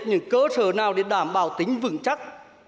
những cơ sở nào để đảm bảo tính vững chắc